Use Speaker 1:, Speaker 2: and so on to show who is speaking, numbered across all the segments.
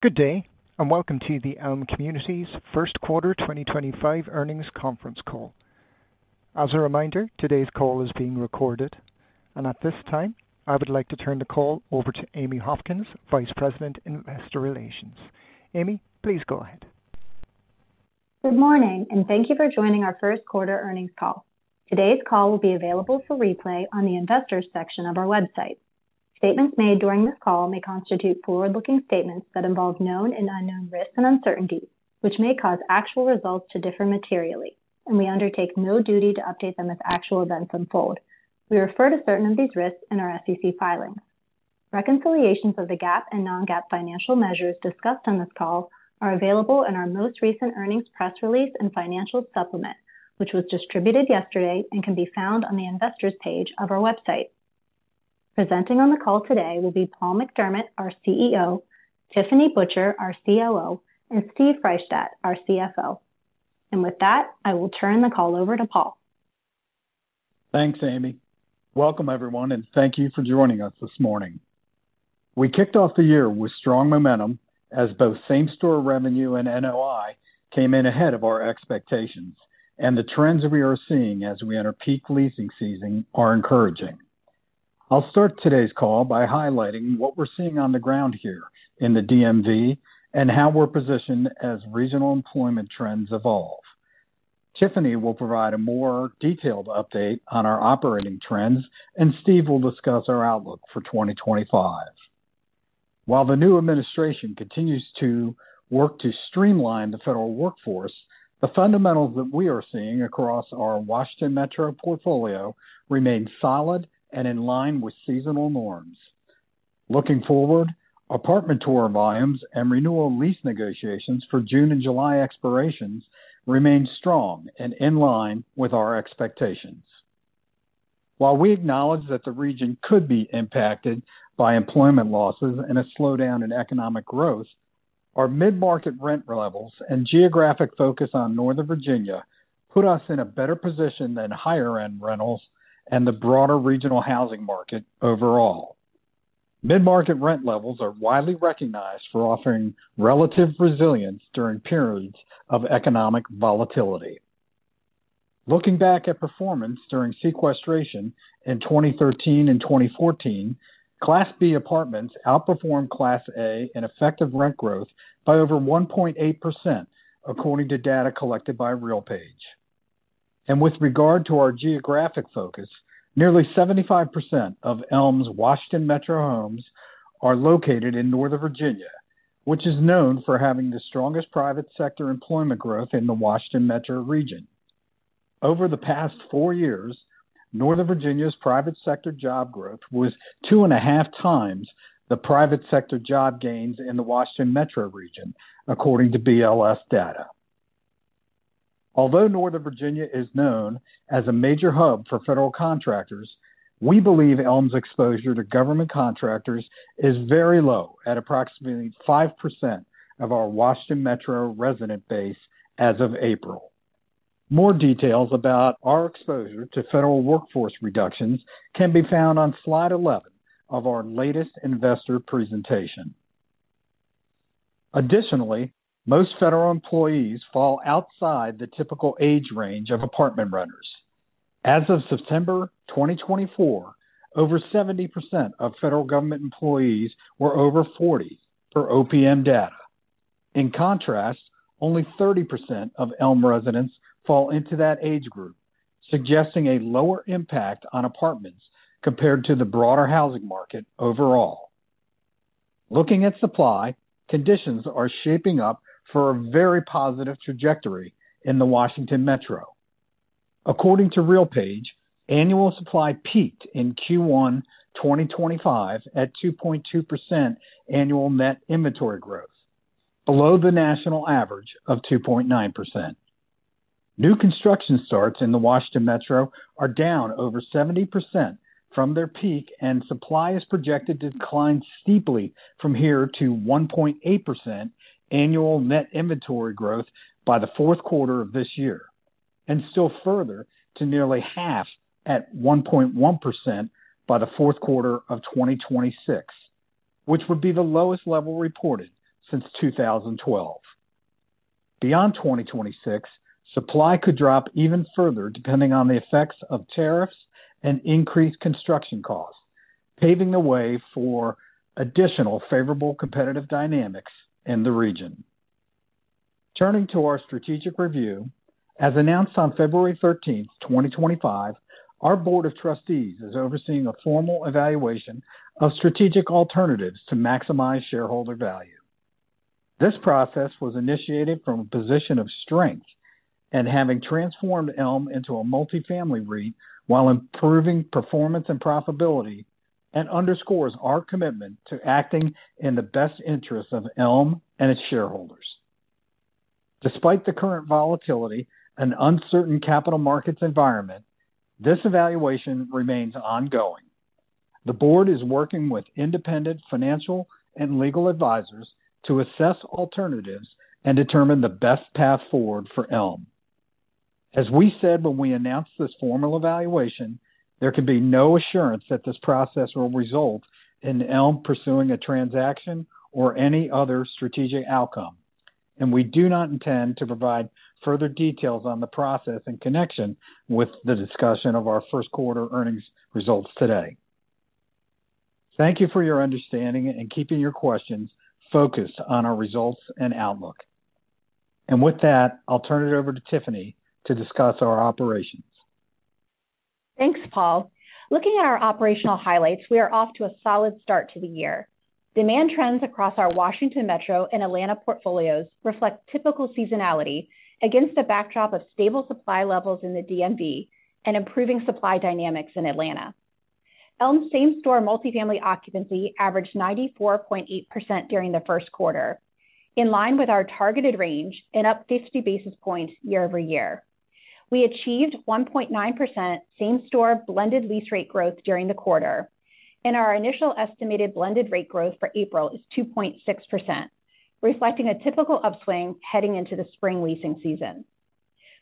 Speaker 1: Good day, and welcome to the Elme Communities First Quarter 2025 earnings conference call. As a reminder, today's call is being recorded, and at this time, I would like to turn the call over to Amy Hopkins, Vice President, Investor Relations. Amy, please go ahead.
Speaker 2: Good morning, and thank you for joining our First Quarter earnings call. Today's call will be available for replay on the Investors section of our website. Statements made during this call may constitute forward-looking statements that involve known and unknown risks and uncertainties, which may cause actual results to differ materially, and we undertake no duty to update them as actual events unfold. We refer to certain of these risks in our SEC filings. Reconciliations of the GAAP and non-GAAP financial measures discussed on this call are available in our most recent earnings press release and financials supplement, which was distributed yesterday and can be found on the Investors page of our website. Presenting on the call today will be Paul McDermott, our CEO, Tiffany Butcher, our COO, and Steven Freishtat, our CFO. With that, I will turn the call over to Paul.
Speaker 3: Thanks, Amy. Welcome, everyone, and thank you for joining us this morning. We kicked off the year with strong momentum as both same-store revenue and NOI came in ahead of our expectations, and the trends we are seeing as we enter peak leasing season are encouraging. I'll start today's call by highlighting what we're seeing on the ground here in the DMV and how we're positioned as regional employment trends evolve. Tiffany will provide a more detailed update on our operating trends, and Steve will discuss our outlook for 2025. While the new administration continues to work to streamline the federal workforce, the fundamentals that we are seeing across our Washington Metro portfolio remain solid and in line with seasonal norms. Looking forward, apartment tour volumes and renewal lease negotiations for June and July expirations remain strong and in line with our expectations. While we acknowledge that the region could be impacted by employment losses and a slowdown in economic growth, our mid-market rent levels and geographic focus on Northern Virginia put us in a better position than higher-end rentals and the broader regional housing market overall. Mid-market rent levels are widely recognized for offering relative resilience during periods of economic volatility. Looking back at performance during sequestration in 2013 and 2014, Class B apartments outperformed Class A in effective rent growth by over 1.8%, according to data collected by RealPage. With regard to our geographic focus, nearly 75% of Elme's Washington Metro homes are located in Northern Virginia, which is known for having the strongest private sector employment growth in the Washington Metro region. Over the past four years, Northern Virginia's private sector job growth was two and a half times the private sector job gains in the Washington Metro region, according to BLS data. Although Northern Virginia is known as a major hub for federal contractors, we believe Elme's exposure to government contractors is very low at approximately 5% of our Washington Metro resident base as of April. More details about our exposure to federal workforce reductions can be found on slide 11 of our latest investor presentation. Additionally, most federal employees fall outside the typical age range of apartment renters. As of September 2024, over 70% of federal government employees were over 40, per OPM data. In contrast, only 30% of Elme residents fall into that age group, suggesting a lower impact on apartments compared to the broader housing market overall. Looking at supply, conditions are shaping up for a very positive trajectory in the Washington Metro. According to RealPage, annual supply peaked in Q1 2025 at 2.2% annual net inventory growth, below the national average of 2.9%. New construction starts in the Washington Metro are down over 70% from their peak, and supply is projected to decline steeply from here to 1.8% annual net inventory growth by the fourth quarter of this year, and still further to nearly half at 1.1% by the fourth quarter of 2026, which would be the lowest level reported since 2012. Beyond 2026, supply could drop even further depending on the effects of tariffs and increased construction costs, paving the way for additional favorable competitive dynamics in the region. Turning to our strategic review, as announced on February 13, 2025, our Board of Trustees is overseeing a formal evaluation of strategic alternatives to maximize shareholder value. This process was initiated from a position of strength and having transformed Elme into a multi-family REIT while improving performance and profitability, and underscores our commitment to acting in the best interests of Elme and its shareholders. Despite the current volatility and uncertain capital markets environment, this evaluation remains ongoing. The Board is working with independent financial and legal advisors to assess alternatives and determine the best path forward for Elme. As we said when we announced this formal evaluation, there can be no assurance that this process will result in Elme pursuing a transaction or any other strategic outcome, and we do not intend to provide further details on the process in connection with the discussion of our first quarter earnings results today. Thank you for your understanding and keeping your questions focused on our results and outlook. With that, I'll turn it over to Tiffany to discuss our operations.
Speaker 4: Thanks, Paul. Looking at our operational highlights, we are off to a solid start to the year. Demand trends across our Washington Metro and Atlanta portfolios reflect typical seasonality against a backdrop of stable supply levels in the DMV and improving supply dynamics in Atlanta. Elme's same-store multi-family occupancy averaged 94.8% during the first quarter, in line with our targeted range and up 50 basis points year-over-year. We achieved 1.9% same-store blended lease rate growth during the quarter, and our initial estimated blended rate growth for April is 2.6%, reflecting a typical upswing heading into the spring leasing season.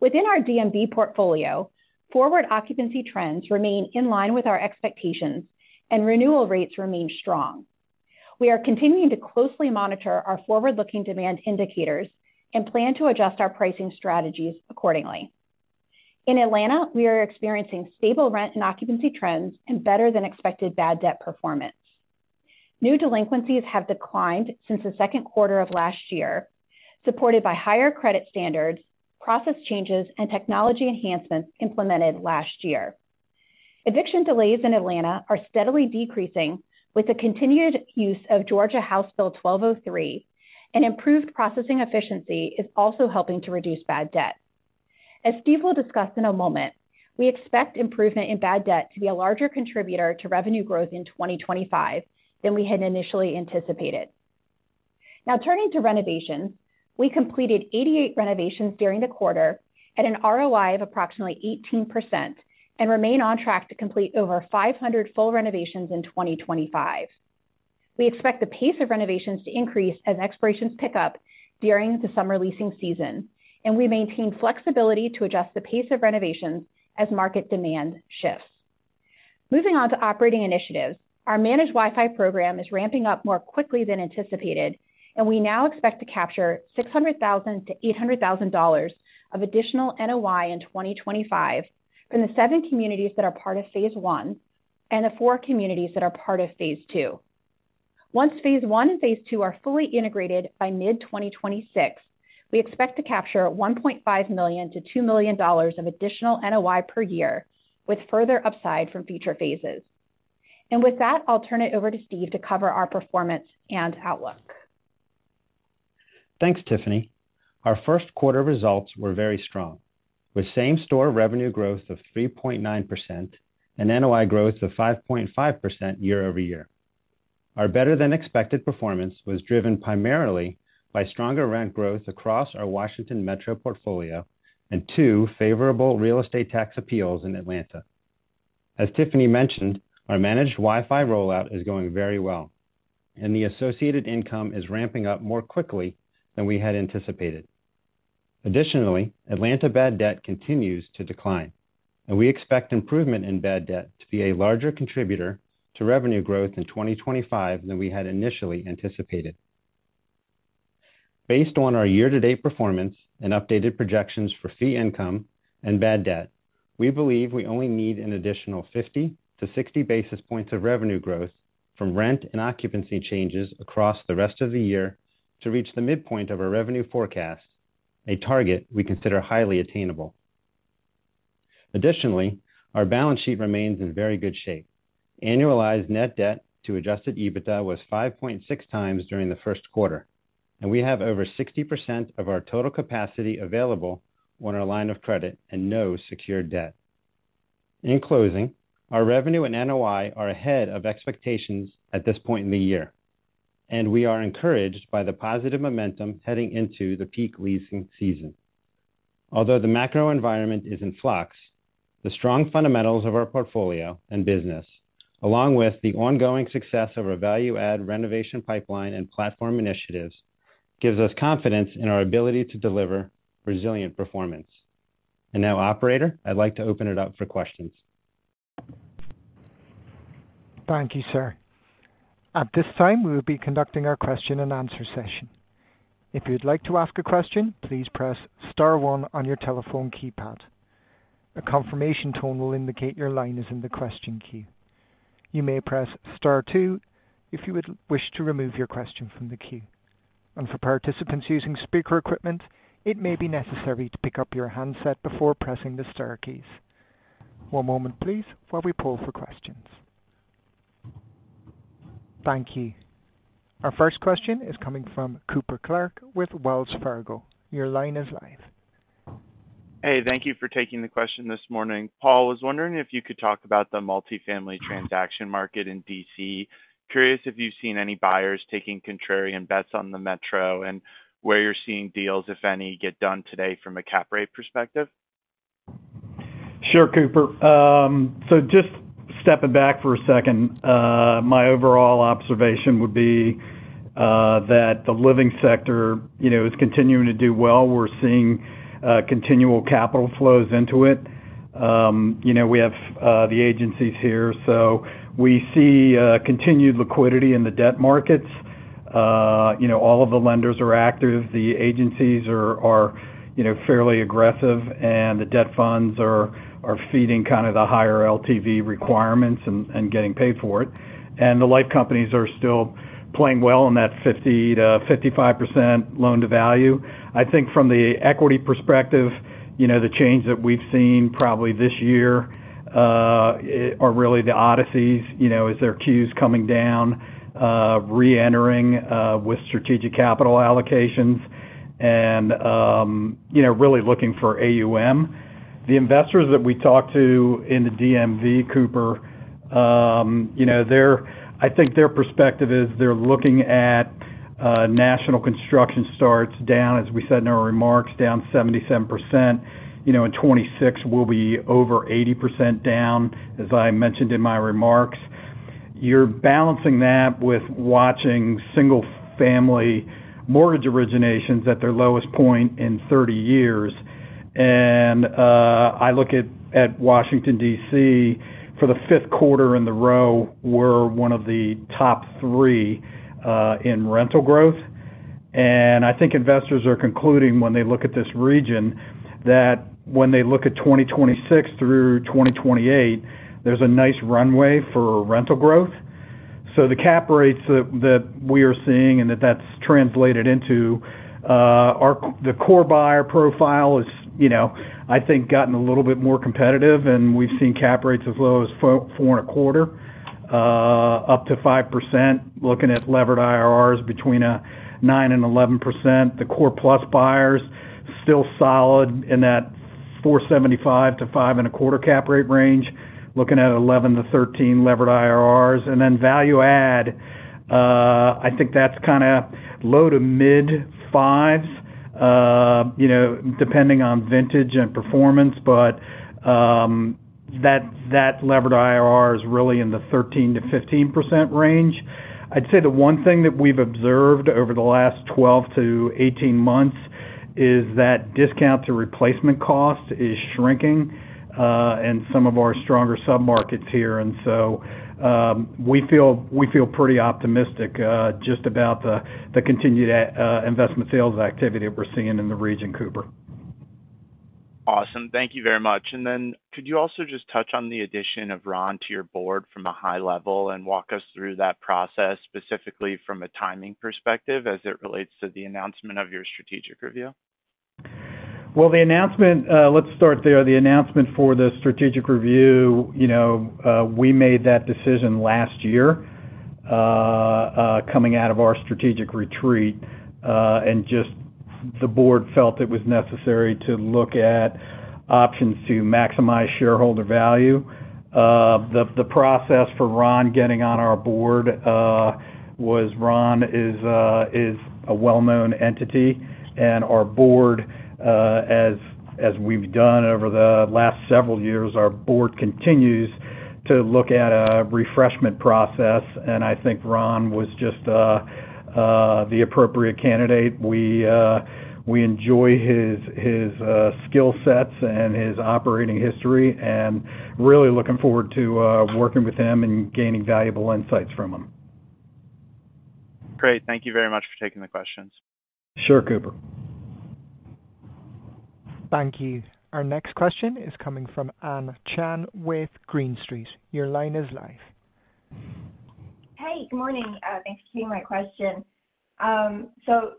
Speaker 4: Within our DMV portfolio, forward occupancy trends remain in line with our expectations, and renewal rates remain strong. We are continuing to closely monitor our forward-looking demand indicators and plan to adjust our pricing strategies accordingly. In Atlanta, we are experiencing stable rent and occupancy trends and better-than-expected bad debt performance. New delinquencies have declined since the second quarter of last year, supported by higher credit standards, process changes, and technology enhancements implemented last year. Eviction delays in Atlanta are steadily decreasing with the continued use of Georgia House Bill 1203, and improved processing efficiency is also helping to reduce bad debt. As Steve will discuss in a moment, we expect improvement in bad debt to be a larger contributor to revenue growth in 2025 than we had initially anticipated. Now, turning to renovations, we completed 88 renovations during the quarter at an ROI of approximately 18% and remain on track to complete over 500 full renovations in 2025. We expect the pace of renovations to increase as expirations pick up during the summer leasing season, and we maintain flexibility to adjust the pace of renovations as market demand shifts. Moving on to operating initiatives, our managed Wi-Fi program is ramping up more quickly than anticipated, and we now expect to capture $600,000-$800,000 of additional NOI in 2025 from the seven communities that are part of phase one and the four communities that are part of phase two. Once phase one and phase two are fully integrated by mid-2026, we expect to capture $1.5 million-$2 million of additional NOI per year, with further upside from future phases. With that, I'll turn it over to Steve to cover our performance and outlook.
Speaker 5: Thanks, Tiffany. Our first quarter results were very strong, with same-store revenue growth of 3.9% and NOI growth of 5.5% year-over-year. Our better-than-expected performance was driven primarily by stronger rent growth across our Washington Metro portfolio and two favorable real estate tax appeals in Atlanta. As Tiffany mentioned, our managed Wi-Fi rollout is going very well, and the associated income is ramping up more quickly than we had anticipated. Additionally, Atlanta bad debt continues to decline, and we expect improvement in bad debt to be a larger contributor to revenue growth in 2025 than we had initially anticipated. Based on our year-to-date performance and updated projections for fee income and bad debt, we believe we only need an additional 50-60 basis points of revenue growth from rent and occupancy changes across the rest of the year to reach the midpoint of our revenue forecast, a target we consider highly attainable. Additionally, our balance sheet remains in very good shape. Annualized net debt to adjusted EBITDA was 5.6 times during the first quarter, and we have over 60% of our total capacity available on our line of credit and no secured debt. In closing, our revenue and NOI are ahead of expectations at this point in the year, and we are encouraged by the positive momentum heading into the peak leasing season. Although the macro environment is in flux, the strong fundamentals of our portfolio and business, along with the ongoing success of our value-add renovation pipeline and platform initiatives, give us confidence in our ability to deliver resilient performance. Operator, I'd like to open it up for questions.
Speaker 1: Thank you, sir. At this time, we will be conducting our question-and-answer session. If you'd like to ask a question, please press Star 1 on your telephone keypad. A confirmation tone will indicate your line is in the question queue. You may press Star 2 if you would wish to remove your question from the queue. For participants using speaker equipment, it may be necessary to pick up your handset before pressing the Star keys. One moment, please, while we pull for questions. Thank you. Our first question is coming from Cooper Clark with Wells Fargo. Your line is live.
Speaker 6: Hey, thank you for taking the question this morning. Paul, was wondering if you could talk about the multi-family transaction market in DC. Curious if you've seen any buyers taking contrarian bets on the Metro and where you're seeing deals, if any, get done today from a cap rate perspective.
Speaker 3: Sure, Cooper. Just stepping back for a second, my overall observation would be that the living sector is continuing to do well. We're seeing continual capital flows into it. We have the agencies here, so we see continued liquidity in the debt markets. All of the lenders are active. The agencies are fairly aggressive, and the debt funds are feeding kind of the higher LTV requirements and getting paid for it. The life companies are still playing well in that 50-55% loan-to-value. I think from the equity perspective, the change that we've seen probably this year are really the ODCEs. Is there queues coming down, reentering with strategic capital allocations, and really looking for AUM? The investors that we talked to in the DMV, Cooper, I think their perspective is they're looking at national construction starts down, as we said in our remarks, down 77%. In 2026, we'll be over 80% down, as I mentioned in my remarks. You're balancing that with watching single-family mortgage originations at their lowest point in 30 years. I look at Washington, DC, for the fifth quarter in a row, we're one of the top three in rental growth. I think investors are concluding when they look at this region that when they look at 2026 through 2028, there's a nice runway for rental growth. The cap rates that we are seeing and that that's translated into the core buyer profile has, I think, gotten a little bit more competitive, and we've seen cap rates as low as 4.25% up to 5%, looking at levered IRRs between 9% and 11%. The core plus buyers still solid in that 4.75-5.25% cap rate range, looking at 11-13% levered IRRs. Then value-add, I think that's kind of low to mid 5% range, depending on vintage and performance, but that levered IRR is really in the 13-15% range. I'd say the one thing that we've observed over the last 12-18 months is that discount to replacement cost is shrinking in some of our stronger sub-markets here. We feel pretty optimistic just about the continued investment sales activity that we're seeing in the region, Cooper.
Speaker 6: Awesome. Thank you very much. Could you also just touch on the addition of Ron to your board from a high level and walk us through that process, specifically from a timing perspective as it relates to the announcement of your strategic review?
Speaker 3: Let's start there. The announcement for the strategic review, we made that decision last year coming out of our strategic retreat, and just the board felt it was necessary to look at options to maximize shareholder value. The process for Ron getting on our board was Ron is a well-known entity, and our board, as we've done over the last several years, our board continues to look at a refreshment process. I think Ron was just the appropriate candidate. We enjoy his skill sets and his operating history and really looking forward to working with him and gaining valuable insights from him.
Speaker 6: Great. Thank you very much for taking the questions.
Speaker 3: Sure, Cooper.
Speaker 1: Thank you. Our next question is coming from Ann Chan with Green Street. Your line is live.
Speaker 7: Hey, good morning. Thanks for taking my question.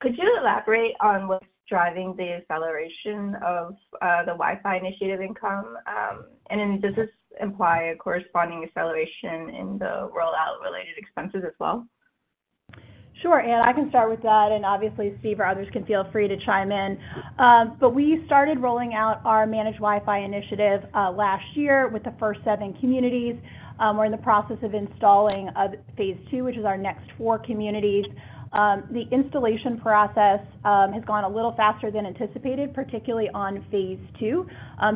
Speaker 7: Could you elaborate on what's driving the acceleration of the Wi-Fi initiative income? Does this imply a corresponding acceleration in the rollout-related expenses as well?
Speaker 4: Sure. I can start with that. Obviously, Steve or others can feel free to chime in. We started rolling out our managed Wi-Fi initiative last year with the first seven communities. We are in the process of installing phase two, which is our next four communities. The installation process has gone a little faster than anticipated, particularly on phase two.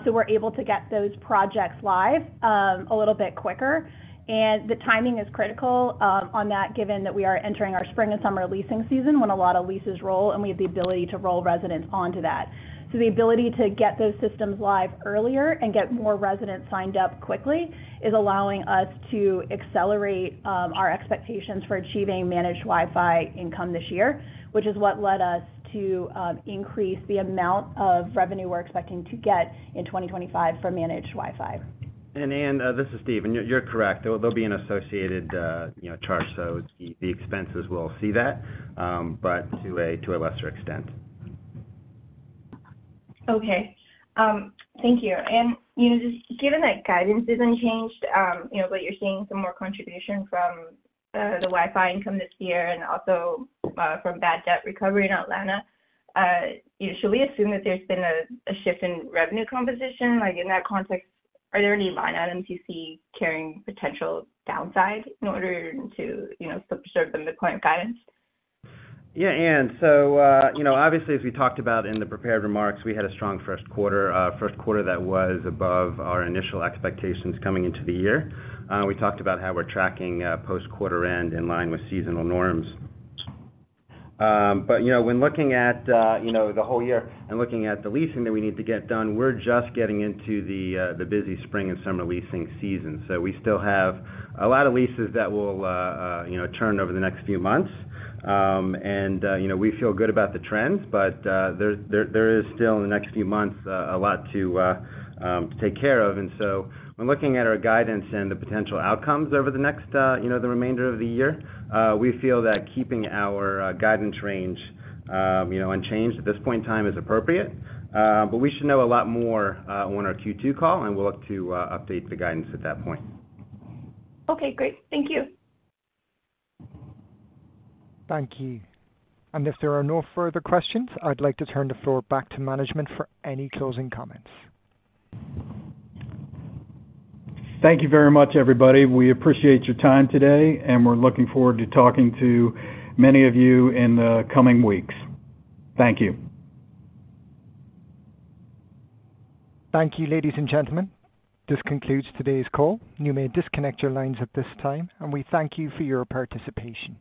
Speaker 4: We are able to get those projects live a little bit quicker. The timing is critical on that, given that we are entering our spring and summer leasing season when a lot of leases roll, and we have the ability to roll residents onto that. The ability to get those systems live earlier and get more residents signed up quickly is allowing us to accelerate our expectations for achieving managed Wi-Fi income this year, which is what led us to increase the amount of revenue we're expecting to get in 2025 for managed Wi-Fi.
Speaker 5: Anne, this is Steve. You're correct. There'll be an associated charge, so the expenses will see that, but to a lesser extent.
Speaker 7: Okay. Thank you. Just given that guidance is unchanged, but you're seeing some more contribution from the Wi-Fi income this year and also from bad debt recovery in Atlanta, should we assume that there's been a shift in revenue composition? In that context, are there any line items you see carrying potential downside in order to serve them the point of guidance?
Speaker 5: Yeah, Anne. Obviously, as we talked about in the prepared remarks, we had a strong first quarter, a first quarter that was above our initial expectations coming into the year. We talked about how we're tracking post-quarter end in line with seasonal norms. When looking at the whole year and looking at the leasing that we need to get done, we're just getting into the busy spring and summer leasing season. We still have a lot of leases that will turn over the next few months. We feel good about the trends, but there is still in the next few months a lot to take care of. When looking at our guidance and the potential outcomes over the remainder of the year, we feel that keeping our guidance range unchanged at this point in time is appropriate. We should know a lot more on our Q2 call, and we'll look to update the guidance at that point.
Speaker 7: Okay. Great. Thank you.
Speaker 1: Thank you. If there are no further questions, I'd like to turn the floor back to management for any closing comments.
Speaker 3: Thank you very much, everybody. We appreciate your time today, and we're looking forward to talking to many of you in the coming weeks. Thank you.
Speaker 1: Thank you, ladies and gentlemen. This concludes today's call. You may disconnect your lines at this time, and we thank you for your participation.